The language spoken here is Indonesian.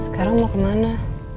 sekarang mau kemana